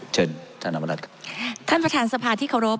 เชิญท่านอำมารัฐค่ะท่านประธานสภาษณ์ที่เคารพ